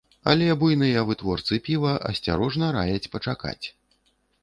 Але буйныя вытворцы піва асцярожна раяць пачакаць.